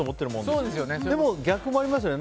でも、逆もありますよね。